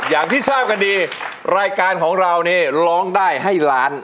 อย่างที่ทราบกันดีรายการของเรานี่ร้องได้ให้ล้าน